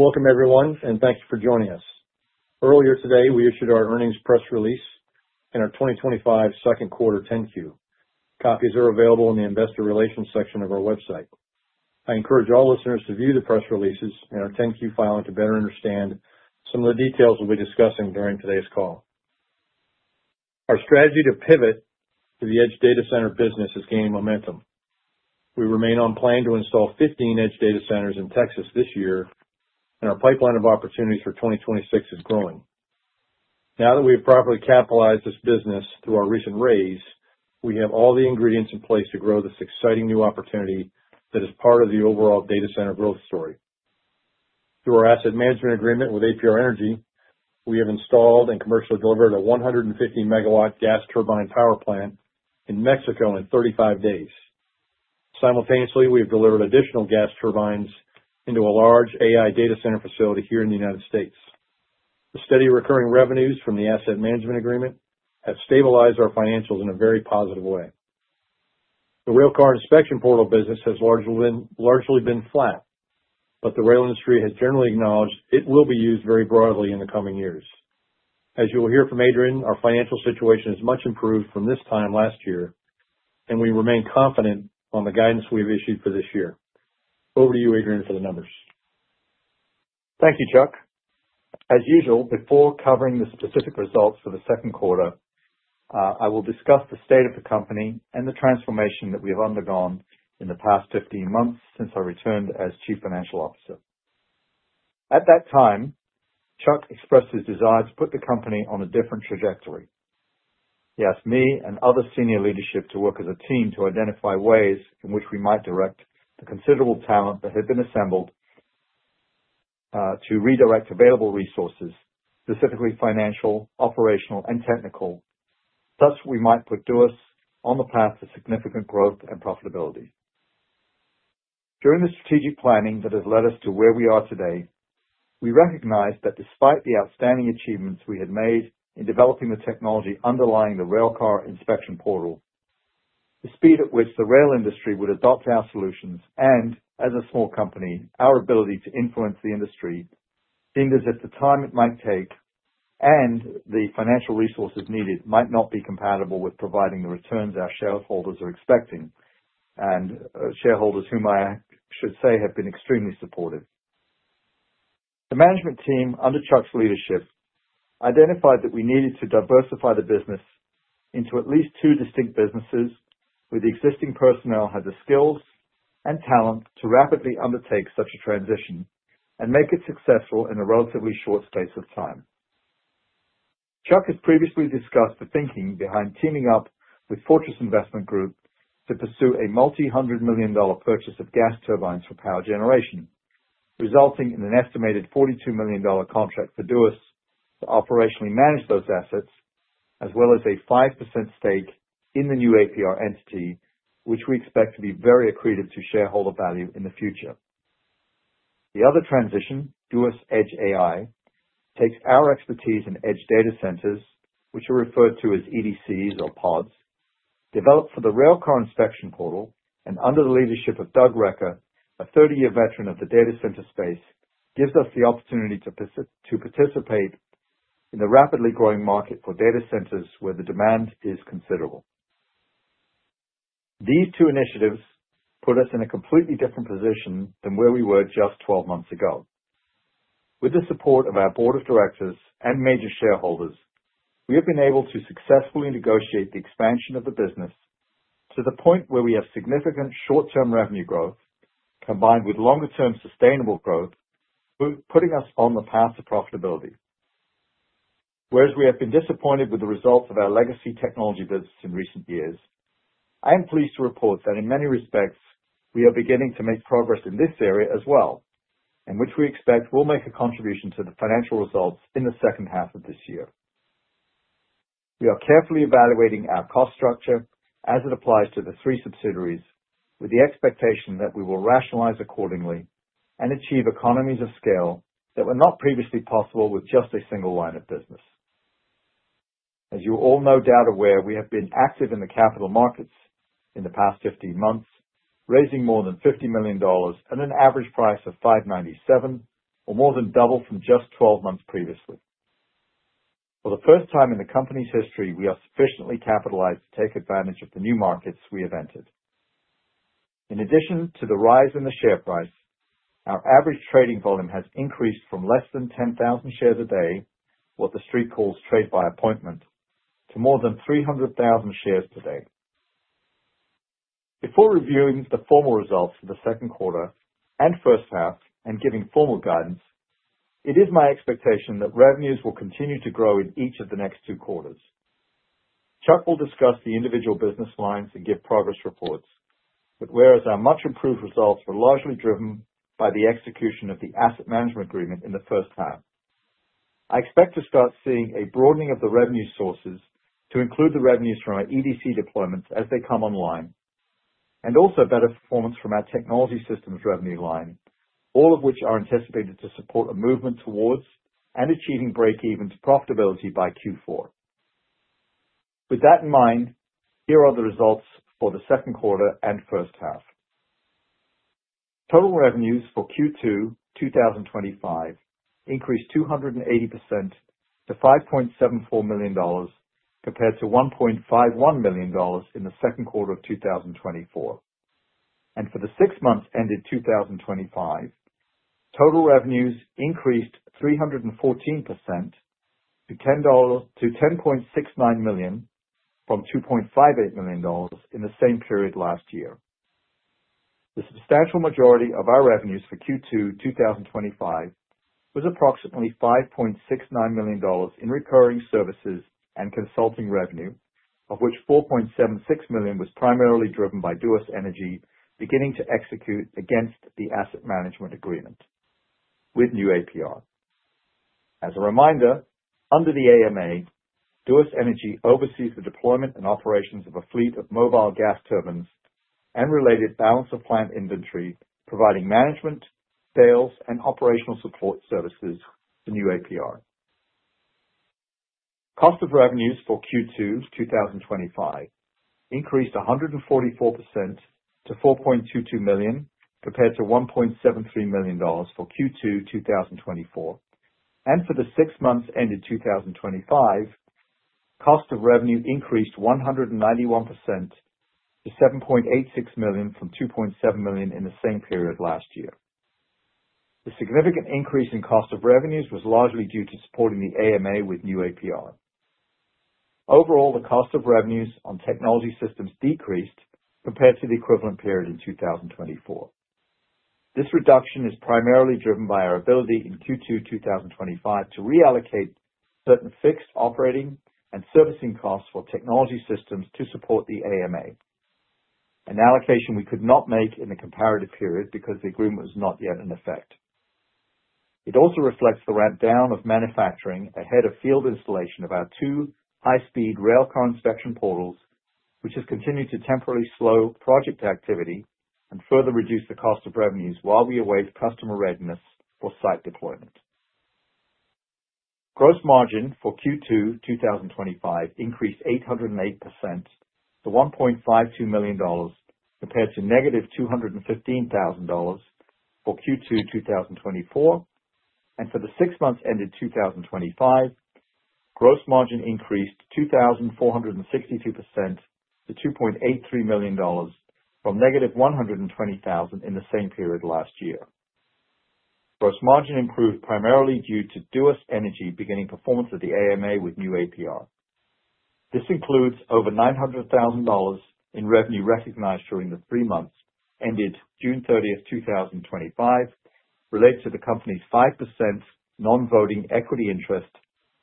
Welcome, everyone, and thank you for joining us. Earlier today, we issued our earnings press release and our 2025 second quarter 10-Q. Copies are available in the investor relations section of our website. I encourage all listeners to view the press releases and our 10-Q file to better understand some of the details we'll be discussing during today's call. Our strategy to pivot to the Edge Data Center business has gained momentum. We remain on plan to install 15 Edge Data Centers in Texas this year, and our pipeline of opportunities for 2026 is growing. Now that we have properly capitalized this business through our recent raise, we have all the ingredients in place to grow this exciting new opportunity that is part of the overall data center growth story. Through our Asset Management Agreement with APR Energy, we have installed and commercially delivered a 150-MW gas turbine power plant in Mexico in 35 days. Simultaneously, we have delivered additional gas turbines into a large AI data center facility here in the United States. The steady recurring revenues from the Asset Management Agreement have stabilized our financials in a very positive way. The Railcar Inspection Portal business has largely been flat, but the rail industry has generally acknowledged it will be used very broadly in the coming years. As you will hear from Adrian, our financial situation is much improved from this time last year, and we remain confident on the guidance we've issued for this year. Over to you, Adrian, for the numbers. Thank you, Chuck. As usual, before covering the specific results for the second quarter, I will discuss the state of the company and the transformation that we have undergone in the past 15 months since I returned as Chief Financial Officer. At that time, Chuck expressed his desire to put the company on a different trajectory. He asked me and other senior leadership to work as a team to identify ways in which we might direct the considerable talent that had been assembled to redirect available resources, specifically financial, operational, and technical. Thus, we might put Duos on the path to significant growth and profitability. During the strategic planning that has led us to where we are today, we recognize that despite the outstanding achievements we had made in developing the technology underlying the Railcar Inspection Portal, the speed at which the rail industry would adopt our solutions and, as a small company, our ability to influence the industry seemed as if the time it might take and the financial resources needed might not be compatible with providing the returns our shareholders are expecting, and shareholders whom I should say have been extremely supportive. The management team under Chuck's leadership identified that we needed to diversify the business into at least two distinct businesses where the existing personnel had the skills and talent to rapidly undertake such a transition and make it successful in a relatively short space of time. Chuck has previously discussed the thinking behind teaming up with Fortress Investment Group to pursue a multi-hundred million dollar purchase of gas turbines for power generation, resulting in an estimated $42 million contract for Duos to operationally manage those assets, as well as a 5% stake in the new APR entity, which we expect to be very accretive to shareholder value in the future. The other transition, Duos Edge AI, takes our expertise in Edge Data Centers, which are referred to as EDCs or pods, developed for the Railcar Inspection Portal, and under the leadership of Doug Recker, a 30-year veteran of the data center space, gives us the opportunity to participate in the rapidly growing market for data centers where the demand is considerable. These two initiatives put us in a completely different position than where we were just 12 months ago. With the support of our board of directors and major shareholders, we have been able to successfully negotiate the expansion of the business to the point where we have significant short-term revenue growth combined with longer-term sustainable growth, putting us on the path to profitability. Whereas we have been disappointed with the results of our legacy technology business in recent years, I am pleased to report that in many respects we are beginning to make progress in this area as well, which we expect will make a contribution to the financial results in the second half of this year. We are carefully evaluating our cost structure as it applies to the three subsidiaries, with the expectation that we will rationalize accordingly and achieve economies of scale that were not previously possible with just a single line of business. As you're all no doubt aware, we have been active in the capital markets in the past 15 months, raising more than $50 million at an average price of $5.97, or more than double from just 12 months previously. For the first time in the company's history, we are sufficiently capitalized to take advantage of the new markets we have entered. In addition to the rise in the share price, our average trading volume has increased from less than 10,000 shares a day, what the street calls trade by appointment, to more than 300,000 shares per day. Before reviewing the formal results of the second quarter and first half and giving formal guidance, it is my expectation that revenues will continue to grow in each of the next two quarters. Chuck will discuss the individual business lines and give progress reports, whereas our much improved results were largely driven by the execution of the Asset Management Agreement in the first half, I expect to start seeing a broadening of the revenue sources to include the revenues from our EDC deployments as they come online, and also better performance from our technology systems revenue line, all of which are anticipated to support a movement towards and achieving break-even to profitability by Q4. With that in mind, here are the results for the second quarter and first half. Total revenues for Q2 2025 increased 280% to $5.74 million compared to $1.51 million in the second quarter of 2024. For the six months ended 2025, total revenues increased 314% to $10.69 million from $2.58 million in the same period last year. The substantial majority of our revenues for Q2 2025 was approximately $5.69 million in recurring services and consulting revenue, of which $4.76 million was primarily driven by Duos Energy beginning to execute against the Asset Management Agreement with new APR. As a reminder, under the AMA, Duos Energy oversees the deployment and operations of a fleet of mobile gas turbines and related Balance of Plant inventory, providing management, sales, and operational support services to new APR. Cost of revenues for Q2 2025 increased 144% to $4.22 million compared to $1.73 million for Q2 2024. For the six months ended 2025, cost of revenue increased 191% to $7.86 million from $2.7 million in the same period last year. The significant increase in cost of revenues was largely due to supporting the AMA with new APR. Overall, the cost of revenues on technology systems decreased compared to the equivalent period in 2024. This reduction is primarily driven by our ability in Q2 2025 to reallocate certain fixed operating and servicing costs for technology systems to support the AMA, an allocation we could not make in the comparative period because the agreement was not yet in effect. It also reflects the ramp down of manufacturing ahead of field installation of our two high-speed Railcar Inspection Portals, which has continued to temporarily slow project activity and further reduce the cost of revenues while we await customer readiness for site deployment. Gross margin for Q2 2025 increased 808% to $1.52 million compared to -$215,000 for Q2 2024. For the six months ended 2025, gross margin increased 2,462% to $2.83 million from -$120,000 in the same period last year. Gross margin improved primarily due to Duos Energy beginning performance of the AMA with new APR. This includes over $900,000 in revenue recognized during the three months ended June 30th, 2025, related to the company's 5% non-voting equity interest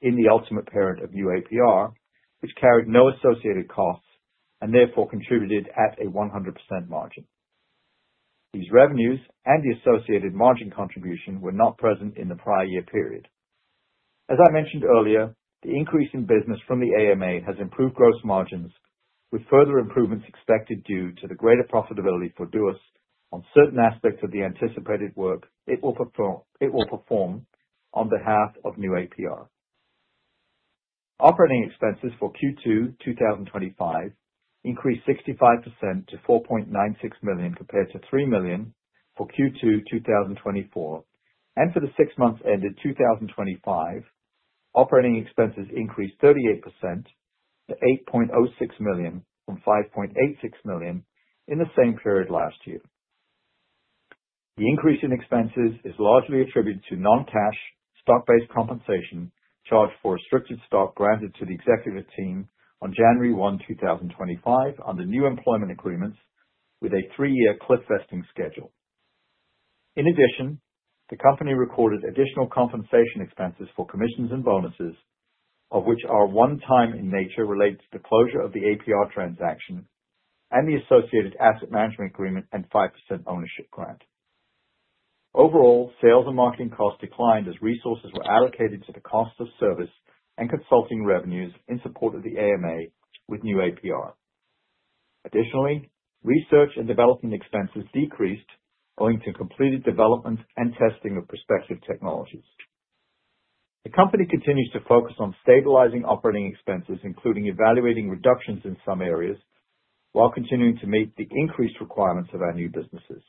in the ultimate parent of new APR, which carried no associated costs and therefore contributed at a 100% margin. These revenues and the associated margin contribution were not present in the prior year period. As I mentioned earlier, the increase in business from the AMA has improved gross margins, with further improvements expected due to the greater profitability for Duos on certain aspects of the anticipated work it will perform on behalf of new APR. Operating expenses for Q2 2025 increased 65% to $4.96 million compared to $3 million for Q2 2024. For the six months ended 2025, operating expenses increased 38% to $8.06 million from $5.86 million in the same period last year. The increase in expenses is largely attributed to non-cash stock-based compensation charged for restricted stock granted to the executive team on January 1, 2025, under new employment agreements with a three-year cliff vesting schedule. In addition, the company recorded additional compensation expenses for commissions and bonuses, which are one-time in nature, related to the closure of the APR transaction and the associated Asset Management Agreement and 5% ownership grant. Overall, sales and marketing costs declined as resources were allocated to the cost of service and consulting revenues in support of the AMA with new APR. Additionally, research and development expenses decreased, owing to completed development and testing of prospective technologies. The company continues to focus on stabilizing operating expenses, including evaluating reductions in some areas while continuing to meet the increased requirements of our new businesses.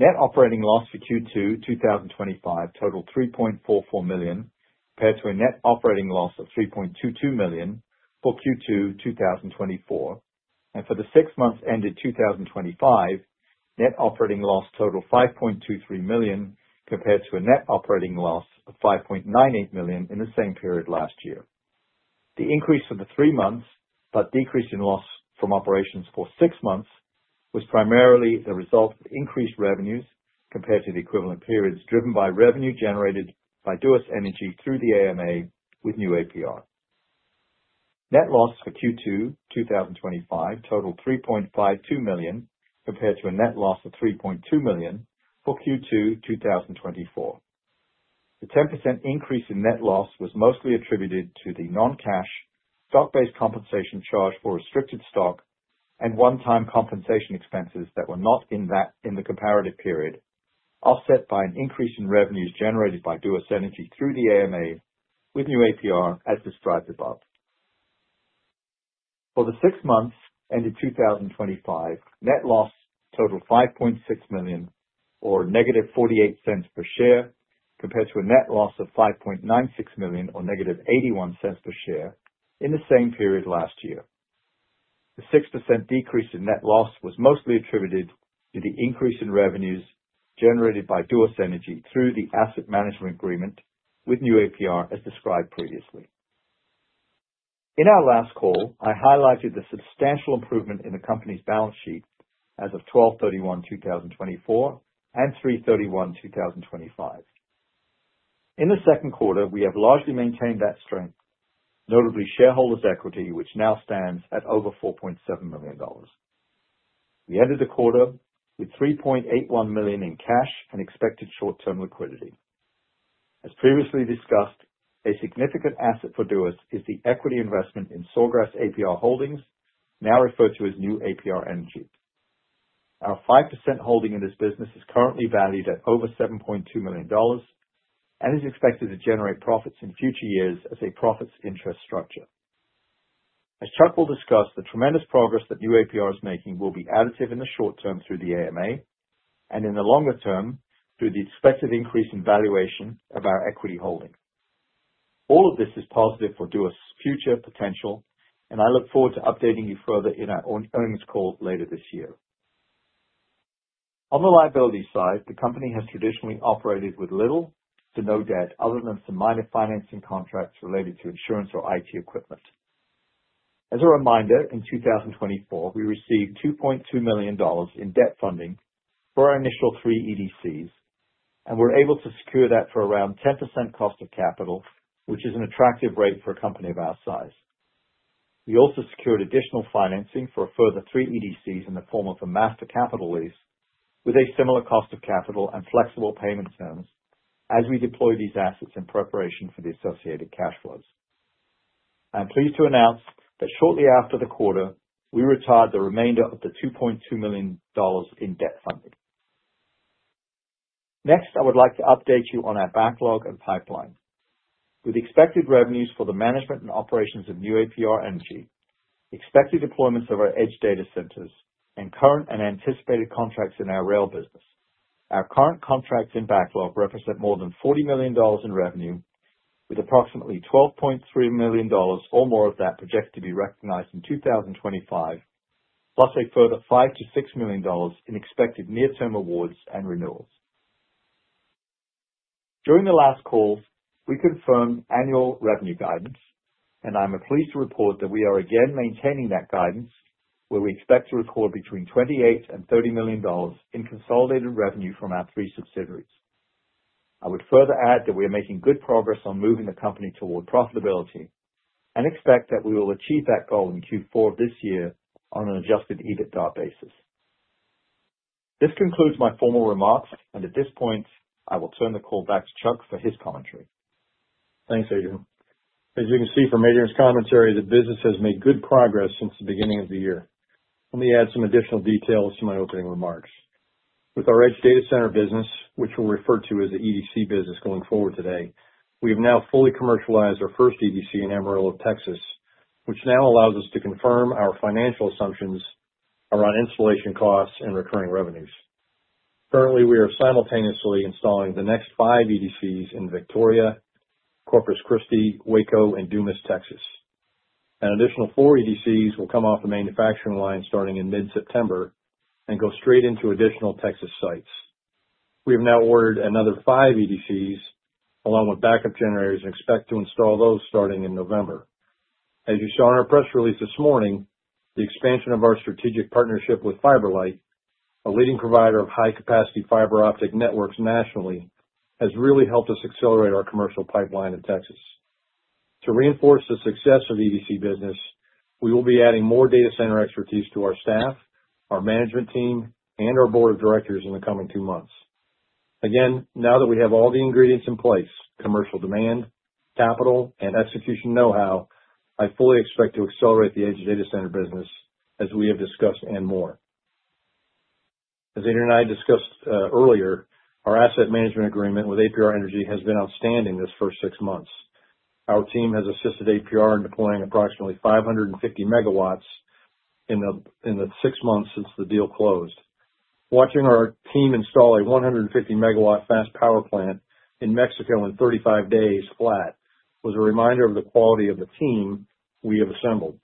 Net operating loss for Q2 2025 totaled $3.44 million, compared to a net operating loss of $3.22 million for Q2 2024. For the six months ended 2025, net operating loss totaled $5.23 million, compared to a net operating loss of $5.98 million in the same period last year. The increase for the three months, but decrease in loss from operations for six months, was primarily the result of increased revenues compared to the equivalent periods driven by revenue generated by Duos Energy through the Asset Management Agreement with new APR. Net loss for Q2 2025 totaled $3.52 million, compared to a net loss of $3.2 million for Q2 2024. The 10% increase in net loss was mostly attributed to the non-cash stock-based compensation charge for restricted stock and one-time compensation expenses that were not in the comparative period, offset by an increase in revenues generated by Duos Energy through the AMA with new APR, as described above. For the six months ended 2025, net loss totaled $5.6 million, or -$0.48 per share, compared to a net loss of $5.96 million, or -$0.81 per share in the same period last year. The 6% decrease in net loss was mostly attributed to the increase in revenues generated by Duos Energy through the Asset Management Agreement with new APR, as described previously. In our last call, I highlighted the substantial improvement in the company's balance sheet as of 12/31/2024 and 3/31/2025. In the second quarter, we have largely maintained that strength, notably shareholder equity, which now stands at over $4.7 million. We ended the quarter with $3.81 million in cash and expected short-term liquidity. As previously discussed, a significant asset for Duos is the equity investment in Sawgrass APR Holdings, now referred to as new APR Energy. Our 5% holding in this business is currently valued at over $7.2 million and is expected to generate profits in future years as a Profits Interest Structure. As Chuck will discuss, the tremendous progress that new APR Energy is making will be additive in the short term through the AMA and in the longer term through the expected increase in valuation of our equity holding. All of this is positive for Duos' future potential, and I look forward to updating you further in our earnings call later this year. On the liability side, the company has traditionally operated with little to no debt, other than some minor financing contracts related to insurance or IT equipment. As a reminder, in 2024, we received $2.2 million in debt funding for our initial three EDCs, and we're able to secure that for around 10% cost of capital, which is an attractive rate for a company of our size. We also secured additional financing for a further three EDCs in the form of a master capital lease with a similar cost of capital and flexible payment terms as we deploy these assets in preparation for the associated cash flows. I'm pleased to announce that shortly after the quarter, we retired the remainder of the $2.2 million in debt funding. Next, I would like to update you on our backlog and pipeline. With expected revenues for the management and operations of new APR Energy, expected deployments of our Edge Data Centers, and current and anticipated contracts in our rail business, our current contracts in backlog represent more than $40 million in revenue, with approximately $12.3 million or more of that projected to be recognized in 2025, plus a further $5-$6 million in expected near-term awards and renewals. During the last calls, we confirmed annual revenue guidance, and I'm pleased to report that we are again maintaining that guidance, where we expect to record between $28 and $30 million in consolidated revenue from our three subsidiaries. I would further add that we are making good progress on moving the company toward profitability and expect that we will achieve that goal in Q4 of this year on an adjusted EBITDA basis. This concludes my formal remarks, and at this point, I will turn the call back to Chuck for his commentary. Thanks, Adrian. As you can see from Adrian's commentary, the business has made good progress since the beginning of the year. Let me add some additional details to my opening remarks. With our Edge Data Centers business, which we'll refer to as the EDC business going forward today, we have now fully commercialized our first EDC in Amarillo, Texas, which now allows us to confirm our financial assumptions around installation costs and recurring revenues. Currently, we are simultaneously installing the next five EDCs in Victoria, Corpus Christi, Waco, and Dumas, Texas. An additional four EDCs will come off the manufacturing line starting in mid-September and go straight into additional Texas sites. We have now ordered another five EDCs along with backup generators and expect to install those starting in November. As you saw in our press release this morning, the expansion of our strategic partnership with FiberLight, a leading provider of high-capacity fiber optic networks nationally, has really helped us accelerate our commercial pipeline in Texas. To reinforce the success of EDC business, we will be adding more data center expertise to our staff, our management team, and our board of directors in the coming two months. Again, now that we have all the ingredients in place, commercial demand, capital, and execution know-how, I fully expect to accelerate the Edge Data Centers business as we have discussed and more. As Adrian and I discussed earlier, our Asset Management Agreement with APR Energy has been outstanding this first six months. Our team has assisted APR in deploying approximately 550 MW in the six months since the deal closed. Watching our team install a 150 MW fast power plant in Mexico in 35 days flat was a reminder of the quality of the team we have assembled.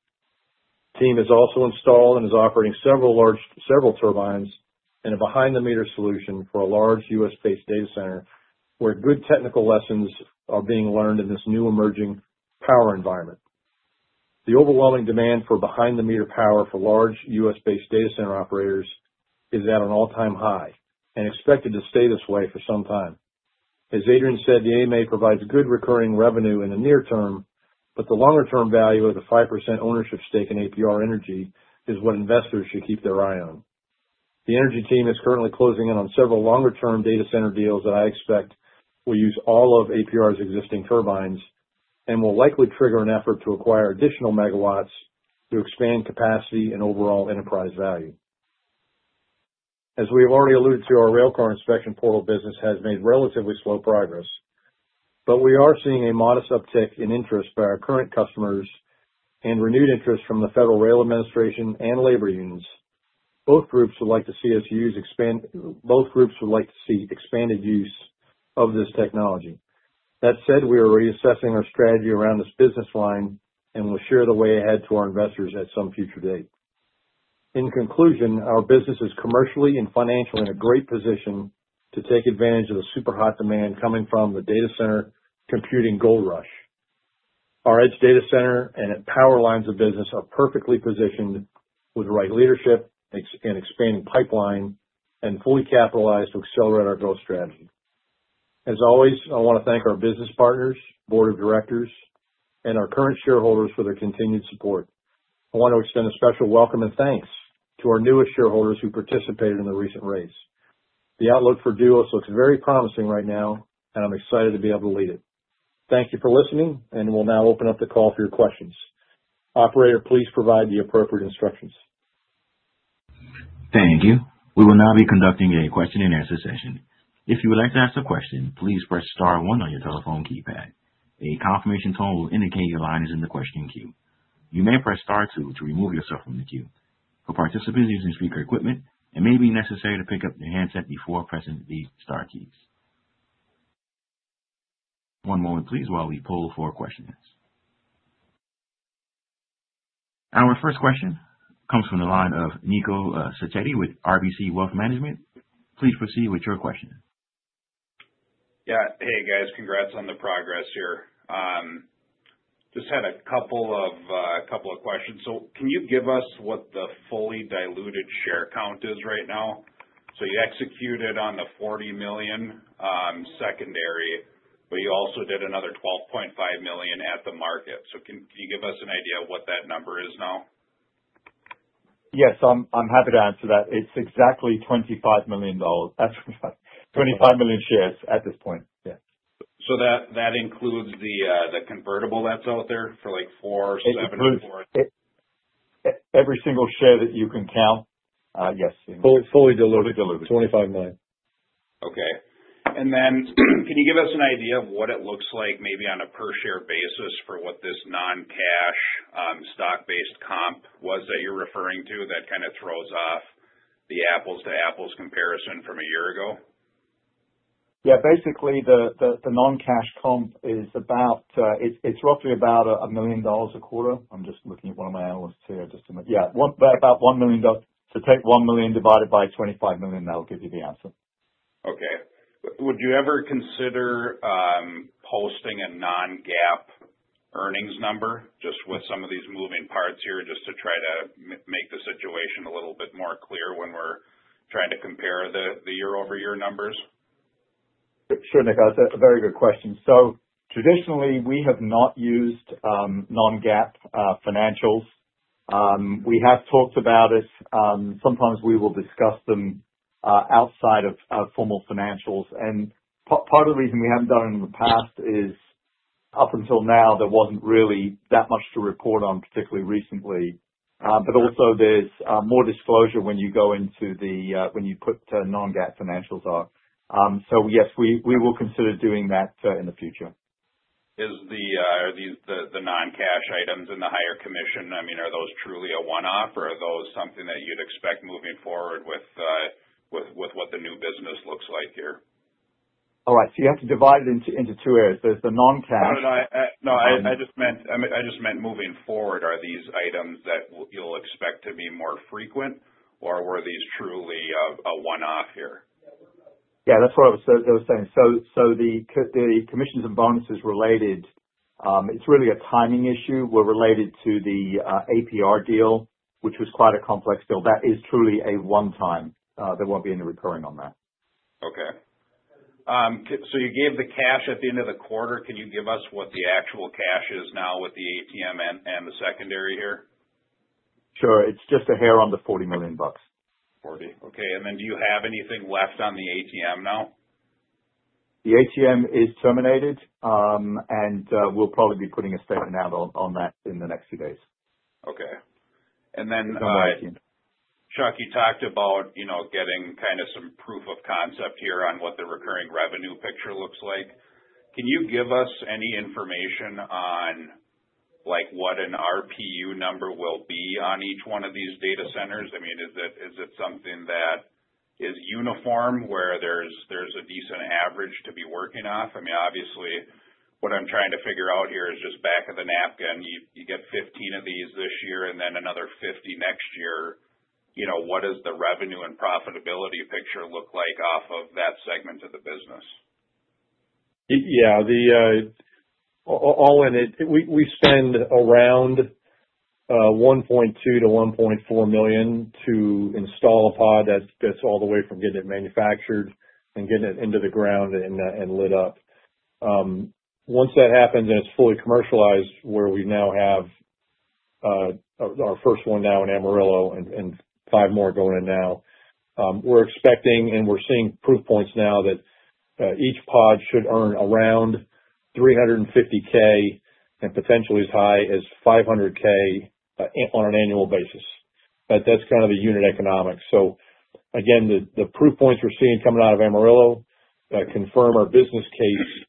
The team has also installed and is operating several large turbines in a behind-the-meter solution for a large U.S.-based data center where good technical lessons are being learned in this new emerging power environment. The overwhelming demand for behind-the-meter power for large U.S.-based data center operators is at an all-time high and expected to stay this way for some time. As Adrian said, the AMA provides good recurring revenue in the near term, but the longer-term value of the 5% ownership stake in APR Energy is what investors should keep their eye on. The energy team is currently closing in on several longer-term data center deals that I expect will use all of APR's existing turbines and will likely trigger an effort to acquire additional megawatts to expand capacity and overall enterprise value. As we have already alluded to, our Railcar Inspection Portal business has made relatively slow progress, but we are seeing a modest uptick in interest by our current customers and renewed interest from the Federal Railroad Administration and labor unions. Both groups would like to see us use expanded use of this technology. That said, we are reassessing our strategy around this business line and will share the way ahead to our investors at some future date. In conclusion, our business is commercially and financially in a great position to take advantage of the super hot demand coming from the data center computing gold rush. Our Edge Data Centers and power lines of business are perfectly positioned with the right leadership and expanding pipeline and fully capitalized to accelerate our growth strategy. As always, I want to thank our business partners, board of directors, and our current shareholders for their continued support. I want to extend a special welcome and thanks to our newest shareholders who participated in the recent raise. The outlook for Duos looks very promising right now, and I'm excited to be able to lead it. Thank you for listening, and we'll now open up the call for your questions. Operator, please provide the appropriate instructions. Thank you. We will now be conducting a question and answer session. If you would like to ask a question, please press star one on your telephone keypad. A confirmation tone will indicate your line is in the question queue. You may press star two to remove yourself from the queue. For participants using speaker equipment, it may be necessary to pick up your handset before pressing the star keys. One moment, please, while we poll for questions. Our first question comes from the line of Nico Sacchetti with RBC Wealth Management. Please proceed with your question. Yeah. Hey, guys. Congrats on the progress here. I just had a couple of questions. Can you give us what the fully diluted share count is right now? You executed on the $40 million secondary, but you also did another $12.5 million at the market. Can you give us an idea of what that number is now? Yes, I'm happy to answer that. It's exactly $25 million, 25 million shares at this point. Yeah. That includes the convertible that's out there for like $4.7 million or $4 million? Every single share that you can count. Yes, fully diluted. Fully diluted. 25 million. Okay. Can you give us an idea of what it looks like maybe on a per-share basis for what this non-cash, stock-based comp was that you're referring to that kind of throws off the apples-to-apples comparison from a year ago? Yeah. Basically, the non-cash comp is about, it's roughly about $1 million a quarter. I'm just looking at one of my hours here just to make, yeah, about $1 million. To take $1 million divided by $25 million, that'll give you the answer. Okay. Would you ever consider posting a non-GAAP earnings number just with some of these moving parts here, just to try to make the situation a little bit more clear when we're trying to compare the year-over-year numbers? Sure, Nico. A very good question. Traditionally, we have not used non-GAAP financials. We have talked about it. Sometimes we will discuss them outside of our formal financials. Part of the reason we haven't done it in the past is up until now, there wasn't really that much to report on, particularly recently. Also, there's more disclosure when you go into the, when you put non-GAAP financials up. Yes, we will consider doing that in the future. Are these the non-cash items and the higher commission, I mean, are those truly a one-off, or are those something that you'd expect moving forward with what the new business looks like here? All right. You have to divide it into two areas. There's the non-cash. I just meant moving forward, are these items that you'll expect to be more frequent, or were these truly a one-off here? That's what I was saying. The commissions and bonuses related, it's really a timing issue. We're related to the APR deal, which was quite a complex deal. That is truly a one-time, there won't be any recurring on that. Okay. You gave the cash at the end of the quarter. Can you give us what the actual cash is now with the ATM and the secondary here? Sure. It's just a hair on the $40 million. Okay. Do you have anything left on the ATM now? The ATM is terminated, and we'll probably be putting a statement out on that in the next few days. Okay. Chuck, you talked about, you know, getting kind of some proof of concept here on what the recurring revenue picture looks like. Can you give us any information on like what an RPU number will be on each one of these data centers? I mean, is it something that is uniform where there's a decent average to be working off? Obviously, what I'm trying to figure out here is just back of the napkin. You get 15 of these this year and then another 50 next year. You know, what does the revenue and profitability picture look like off of that segment of the business? Yeah. All in, we spend around $1.2-$1.4 million to install a pod. That's all the way from getting it manufactured and getting it into the ground and lit up. Once that happens and it's fully commercialized, where we now have our first one now in Amarillo and five more going in now, we're expecting and we're seeing proof points now that each pod should earn around $350,000 and potentially as high as $500,000 on an annual basis. That's kind of the unit economics. The proof points we're seeing coming out of Amarillo confirm our business case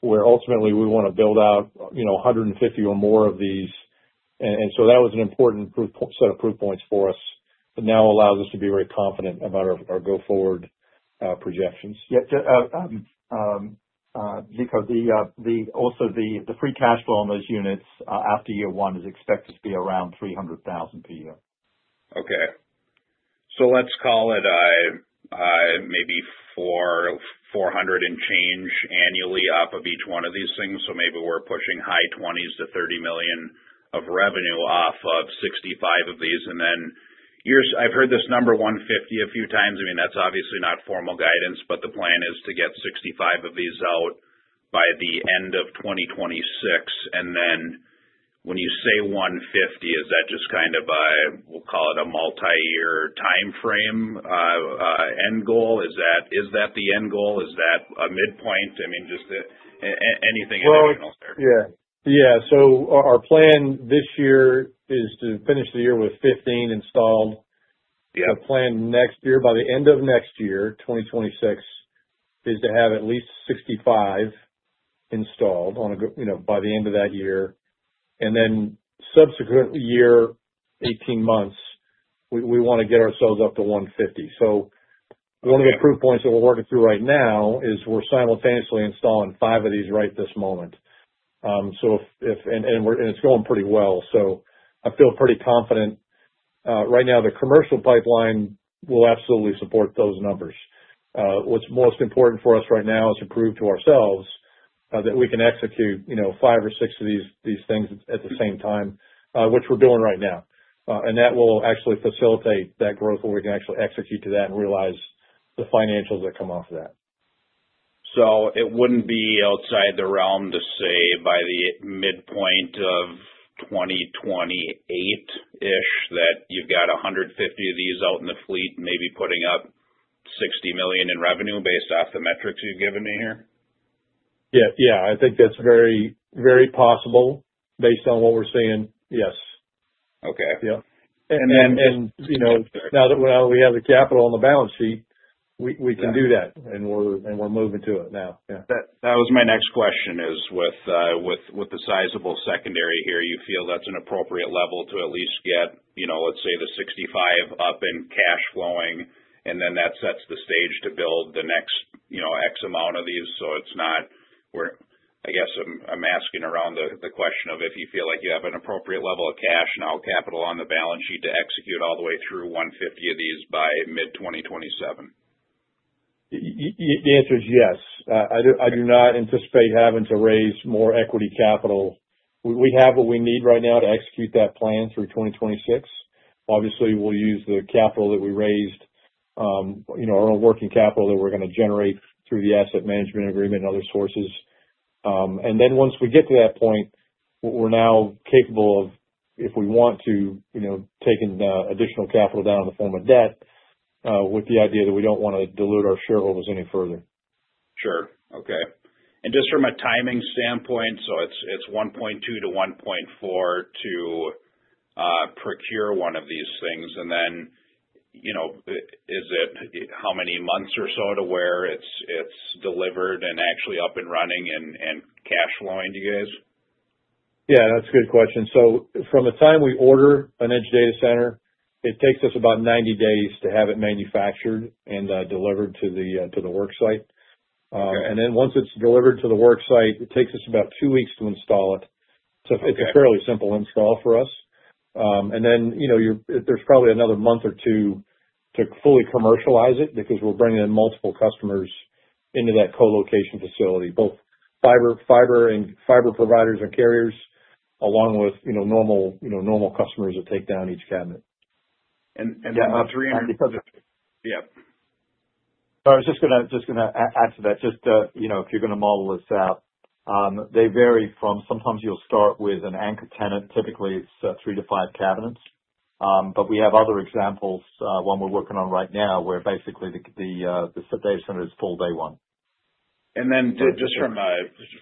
where ultimately we want to build out 150 or more of these. That was an important set of proof points for us. It now allows us to be very confident about our go-forward projections. Yeah. Nico, also the free cash flow on those units after year one is expected to be around $300,000 per year. Okay. Let's call it maybe $400,000 and change annually off of each one of these things. Maybe we're pushing high $20 million to $30 million of revenue off of 65 of these. I've heard this number 150 a few times. That's obviously not formal guidance, but the plan is to get 65 of these out by the end of 2026. When you say 150, is that just kind of a, we'll call it a multi-year timeframe, end goal? Is that the end goal? Is that a midpoint? Just anything additional there. Our plan this year is to finish the year with 15 installed. The plan next year, by the end of next year, 2026, is to have at least 65 installed by the end of that year. In the subsequent year, 18 months, we want to get ourselves up to 150. The only proof points that we're working through right now is we're simultaneously installing five of these right this moment. If, and it's going pretty well. I feel pretty confident, right now the commercial pipeline will absolutely support those numbers. What's most important for us right now is to prove to ourselves that we can execute five or six of these things at the same time, which we're doing right now. That will actually facilitate that growth where we can actually execute to that and realize the financials that come off of that. It wouldn't be outside the realm to say by the midpoint of 2028-ish that you've got 150 of these out in the fleet, maybe putting up $60 million in revenue based off the metrics you've given me here? Yeah, I think that's very, very possible based on what we're seeing. Yes. Okay. Now that we have the capital on the balance sheet, we can do that, and we're moving to it now. That was my next question, with the sizable secondary here, you feel that's an appropriate level to at least get, you know, let's say the 65 up and cash flowing, and then that sets the stage to build the next, you know, X amount of these. I'm asking around the question of if you feel like you have an appropriate level of cash and all capital on the balance sheet to execute all the way through 150 of these by mid-2027. The answer is yes. I do not anticipate having to raise more equity capital. We have what we need right now to execute that plan through 2026. Obviously, we'll use the capital that we raised, our own working capital that we're going to generate through the Asset Management Agreement and other sources. Once we get to that point, we're now capable of, if we want to, taking additional capital down in the form of debt, with the idea that we don't want to dilute our shareholders any further. Sure. Okay. Just from a timing standpoint, it's $1.2 million-$1.4 million to procure one of these things. Then, how many months or so to where it's delivered and actually up and running and cash flowing to you guys? Yeah, that's a good question. From the time we order an Edge Data Center, it takes us about 90 days to have it manufactured and delivered to the worksite. Once it's delivered to the worksite, it takes us about two weeks to install it. It's a fairly simple install for us. There's probably another month or two to fully commercialize it because we're bringing in multiple customers into that colocation facility, both fiber providers and carriers, along with normal customers that take down each cabinet. That's $300. Yeah, I was just going to add to that. If you're going to model this out, they vary from sometimes you'll start with an anchor tenant. Typically, it's three to five cabinets, but we have other examples, one we're working on right now where basically the data center is full day one.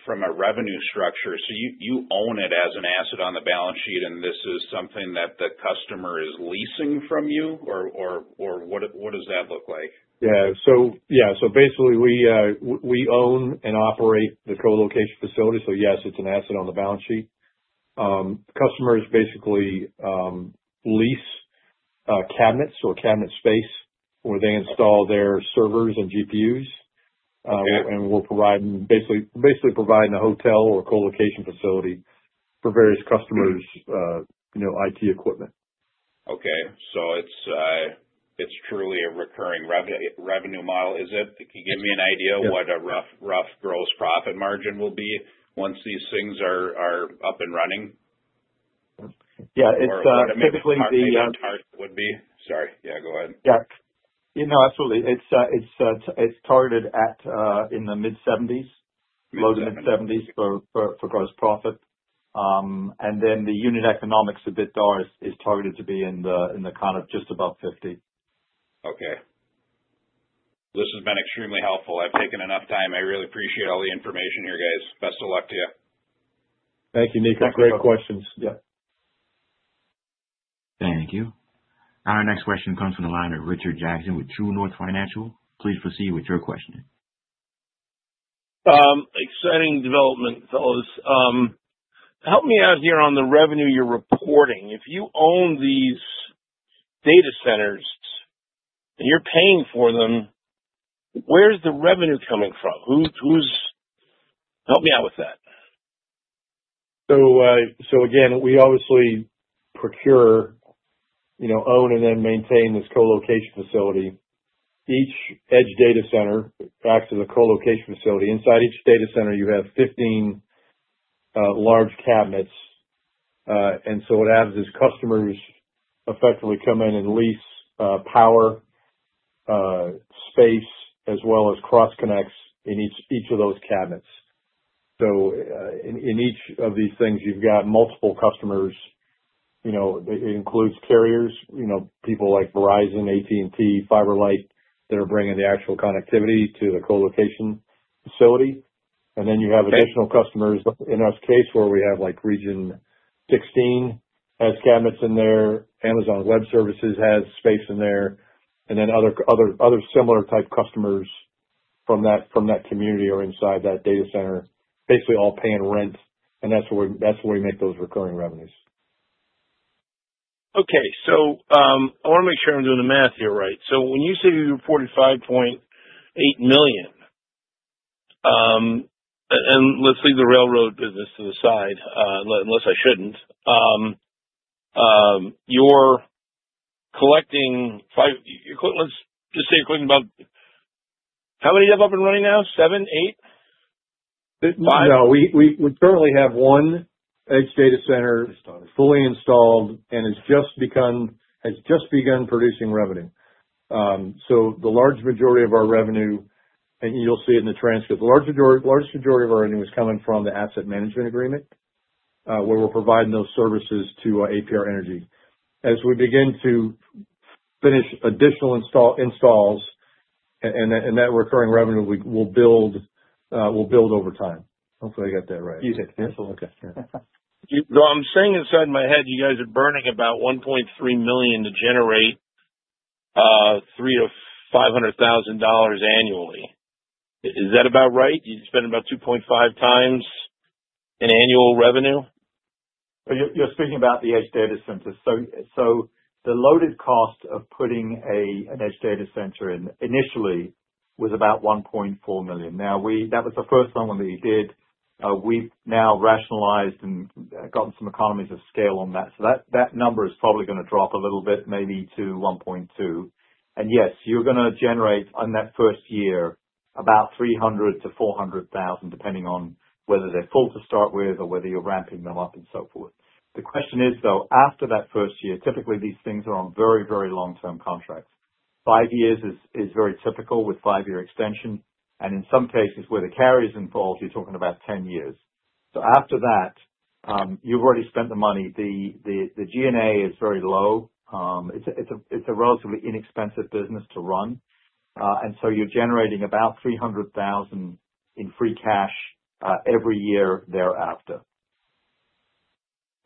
From a revenue structure, you own it as an asset on the balance sheet, and this is something that the customer is leasing from you, or what does that look like? Yeah. Basically, we own and operate the colocation facility. Yes, it's an asset on the balance sheet. Customers basically lease cabinets or cabinet space where they install their servers and GPUs, and we'll basically provide a hotel or colocation facility for various customers' IT equipment. Okay. It's truly a recurring revenue model. Is it? Can you give me an idea of what a rough gross profit margin will be once these things are up and running? Yeah, it's typically the. Target would be? Sorry, yeah, go ahead. Yeah. Absolutely. It's targeted at, in the mid-70s, low to mid-70s for gross profit, and then the unit economics a bit there is targeted to be in the kind of just above 50. Okay. This has been extremely helpful. I've taken enough time. I really appreciate all the information here, guys. Best of luck to you. Thank you, Nico. Great questions. Yeah. Thank you. Our next question comes from the line of Richard Jackson with True North Financial. Please proceed with your question. Exciting development, fellows. Help me out here on the revenue you're reporting. If you own these data centers and you're paying for them, where's the revenue coming from? Who's help me out with that. Again, we obviously procure, own and then maintain this colocation facility. Each Edge Data Center back to the colocation facility. Inside each data center, you have 15 large cabinets. What happens is customers effectively come in and lease power, space, as well as cross-connects in each of those cabinets. In each of these things, you've got multiple customers. It includes carriers, people like Verizon, AT&T, FiberLight that are bringing the actual connectivity to the colocation facility. You have additional customers in our case where we have like Region 16 has cabinets in there. Amazon Web Services has space in there. Other similar type customers from that community are inside that data center, basically all paying rent. That's where we make those recurring revenues. I want to make sure I'm doing the math here right. When you say you reported $5.8 million, and let's leave the railroad business to the side unless I shouldn't, you're collecting five. Let's just say you're collecting about how many you have up and running now? Seven, eight? Five? No, we currently have one Edge Data Center fully installed, and it's just begun producing revenue. The large majority of our revenue, and you'll see it in the transcript, the large majority of our revenue is coming from the Asset Management Agreement where we're providing those services to APR Energy. As we begin to finish additional installs, that recurring revenue will build over time. Hopefully, I got that right. You did. Okay, yeah. I'm saying inside my head, you guys are burning about $1.3 million to generate $300,000-$500,000 annually. Is that about right? You spend about 2.5x in annual revenue? You're speaking about the Edge Data Centers. The loaded cost of putting an Edge Data Center in initially was about $1.4 million. Now, that was the first one that we did. We've now rationalized and gotten some economies of scale on that. That number is probably going to drop a little bit, maybe to $1.2 million. Yes, you're going to generate on that first year about $300,000-$400,000, depending on whether they're full to start with or whether you're ramping them up and so forth. The question is, though, after that first year, typically, these things are on very, very long-term contracts. Five years is very typical with five-year extension. In some cases, where the carriers are involved, you're talking about 10 years. After that, you've already spent the money. The G&A is very low. It's a relatively inexpensive business to run, and you're generating about $300,000 in free cash every year thereafter.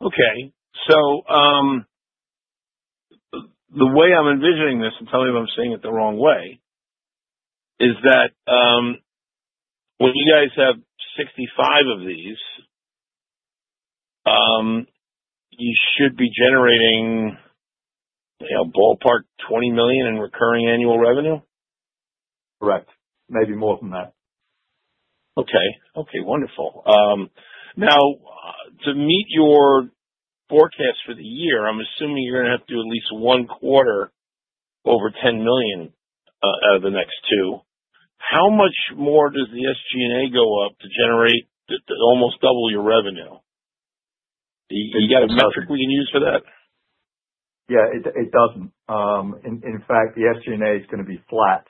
Okay. The way I'm envisioning this, and tell me if I'm seeing it the wrong way, is that when you guys have 65 of these, you should be generating, you know, ballpark $20 million in recurring annual revenue? Correct. Maybe more than that. Okay. Okay. Wonderful. Now, to meet your forecast for the year, I'm assuming you're going to have to do at least one quarter over $10 million out of the next two. How much more does the SG&A go up to generate to almost double your revenue? You got a metric we can use for that? Yeah, it doesn't. In fact, the SG&A is going to be flat.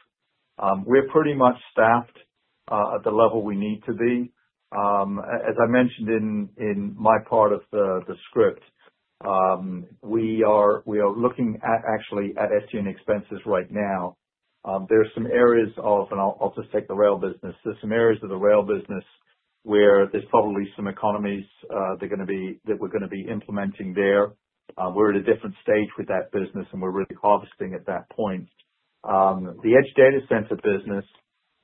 We're pretty much staffed at the level we need to be. As I mentioned in my part of the script, we are looking at actually at SG&A expenses right now. There are some areas of, and I'll just take the rail business. There's some areas of the rail business where there's probably some economies that we're going to be implementing there. We're at a different stage with that business, and we're really harvesting at that point. The Edge Data Centers business,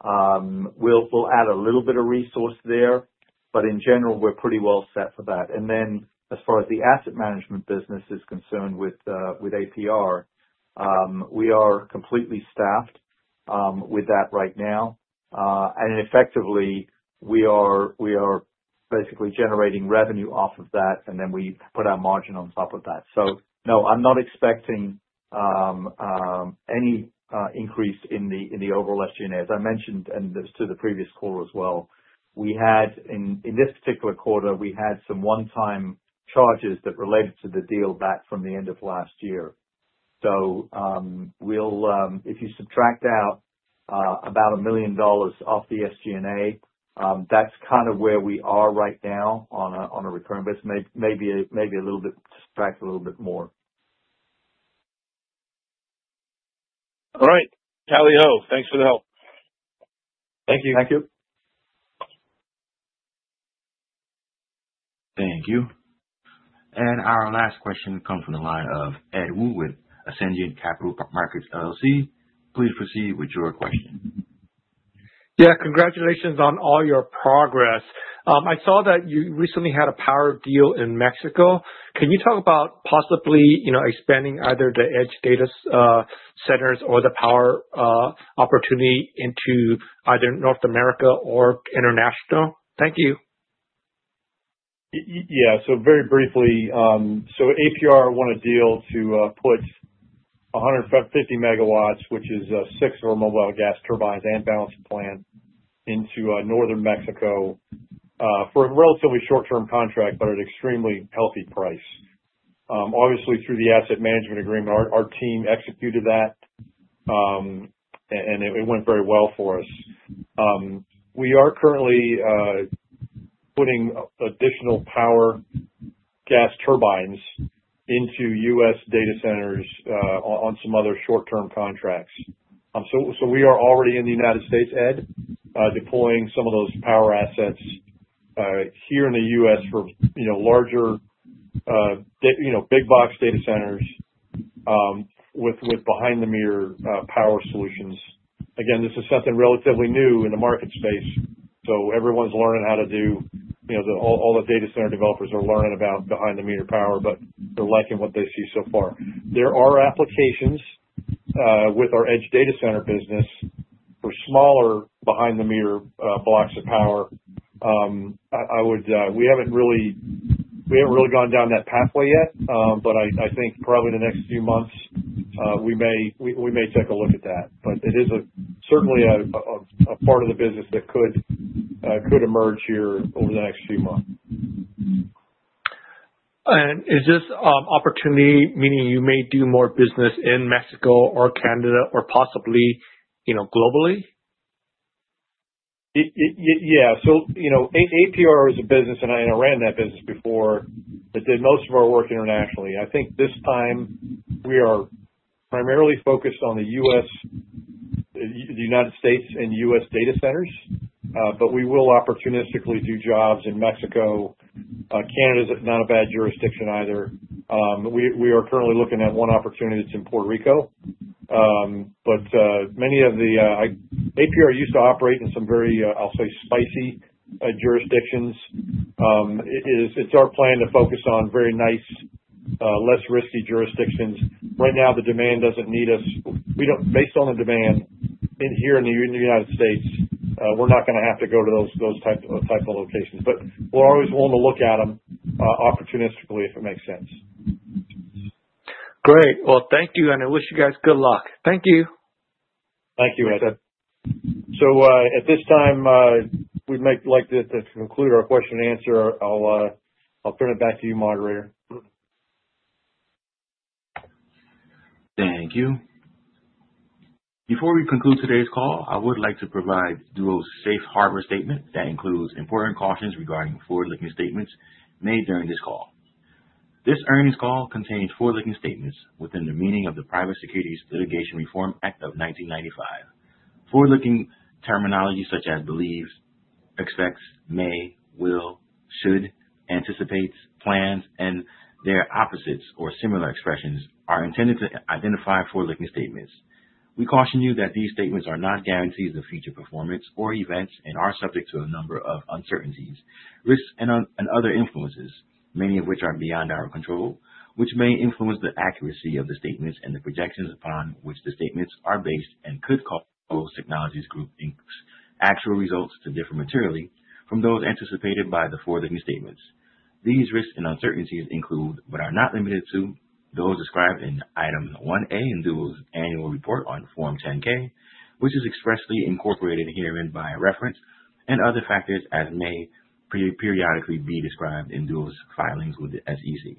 we'll add a little bit of resource there, but in general, we're pretty well set for that. As far as the Asset Management business is concerned with APR, we are completely staffed with that right now. Effectively, we are basically generating revenue off of that, and then we put our margin on top of that. No, I'm not expecting any increase in the overall SG&A. As I mentioned, and it's to the previous quarter as well, we had in this particular quarter, we had some one-time charges that related to the deal back from the end of last year. If you subtract out about $1 million off the SG&A, that's kind of where we are right now on a recurring basis. Maybe a little bit to subtract a little bit more. All right. Calli Ho, thanks for the help. Thank you. Thank you. Thank you. Our last question comes from the line of Edward Woo with Ascendiant Capital Markets LLC. Please proceed with your question. Yeah. Congratulations on all your progress. I saw that you recently had a power deal in Mexico. Can you talk about possibly expanding either the Edge Data Centers or the power opportunity into either North America or international? Thank you. Yeah. Very briefly, APR won a deal to put 150 MW, which is six of our mobile gas turbines and Balance of Plant, into Northern Mexico for a relatively short-term contract at an extremely healthy price. Obviously, through the Asset Management Agreement, our team executed that, and it went very well for us. We are currently putting additional power gas turbines into U.S. data centers on some other short-term contracts. We are already in the United States, Ed, deploying some of those power assets here in the U.S. for larger, big-box data centers with behind-the-meter power solutions. This is something relatively new in the market space. Everyone's learning how to do, you know, all the data center developers are learning about behind-the-meter power, but they're liking what they see so far. There are applications with our Edge Data Centers business for smaller behind-the-meter blocks of power. We haven't really gone down that pathway yet, but I think probably in the next few months, we may take a look at that. It is certainly a part of the business that could emerge here over the next few months. Is this opportunity meaning you may do more business in Mexico or Canada or possibly, you know, globally? Yeah. APR is a business, and I ran that business before. I did most of our work internationally. I think this time we are primarily focused on the U.S., the United States, and U.S. data centers. We will opportunistically do jobs in Mexico. Canada is not a bad jurisdiction either. We are currently looking at one opportunity that's in Puerto Rico. Many of the APR used to operate in some very, I'll say, spicy jurisdictions. It's our plan to focus on very nice, less risky jurisdictions. Right now, the demand doesn't need us. We don't, based on the demand here in the United States, we're not going to have to go to those types of locations. We're always willing to look at them opportunistically if it makes sense. Great. Thank you. I wish you guys good luck. Thank you. Thank you, Ed. At this time, we'd like to conclude our question and answer. I'll turn it back to you, moderator. Thank you. Before we conclude today's call, I would like to provide Duos' safe harbor statement that includes important cautions regarding forward-looking statements made during this call. This earnings call contains forward-looking statements within the meaning of the Private Securities Litigation Reform Act of 1995. Forward-looking terminology such as believes, expects, may, will, should, anticipates, plans, and their opposites or similar expressions are intended to identify forward-looking statements. We caution you that these statements are not guarantees of future performance or events and are subject to a number of uncertainties, risks, and other influences, many of which are beyond our control, which may influence the accuracy of the statements and the projections upon which the statements are based and could cause Duos Technologies Group's actual results to differ materially from those anticipated by the forward-looking statements. These risks and uncertainties include, but are not limited to, those described in Item 1A in Duos' annual report on Form 10-K, which is expressly incorporated herein by reference, and other factors as may periodically be described in Duos' filings with the SEC.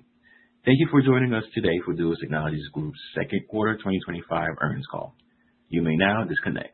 Thank you for joining us today for Duos Technologies Group's second quarter 2025 earnings call. You may now disconnect.